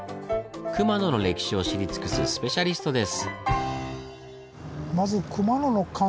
熊野の歴史を知り尽くすスペシャリストです。